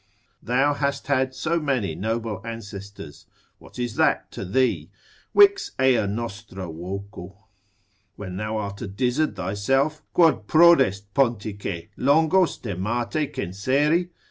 Thou hast had so many noble ancestors; what is that to thee? Vix ea nostra voco, when thou art a dizzard thyself: quod prodest, Pontice, longo stemmate censeri?